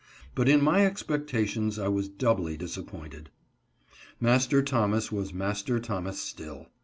But in my expectations I was doubly disappointed: Master Thomas was Master Thomas still.